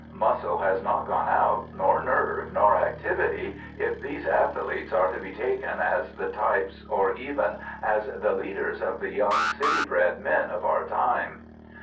Muscle has not gone out, nor nerve, nor activity, if these athletes are to be taken as the types or even as the leaders of the young city bred men of our time.